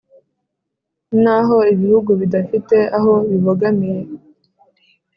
naho ibihugu bidafite aho bibogamiye